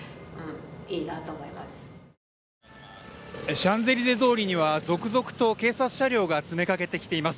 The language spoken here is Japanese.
シャンゼリゼ通りには続々と警察車両が詰めかけてきています。